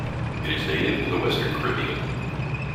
It is native to the western Caribbean.